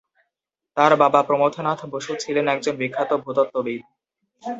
তার বাবা প্রমথনাথ বসু ছিলেন একজন বিখ্যাত ভূতত্ত্ববিদ।